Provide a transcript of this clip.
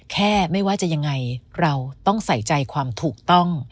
แค่ไม่ว่าจะยังไงเราต้องใส่ใจความถูกต้อง